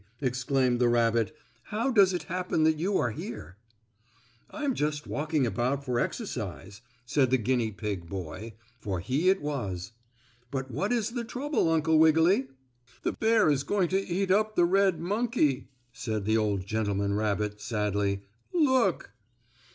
exclaimed the rabbit. "How does it happen that you are here?" "I'm just walking about for exercise," said the guinea pig boy, for he it was. "But what is the trouble, Uncle Wiggily?" "The bear is going to eat up the red monkey," said the old gentleman rabbit, sadly. "Look!"